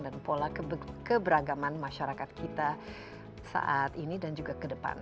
dan pola keberagaman masyarakat kita saat ini dan juga ke depan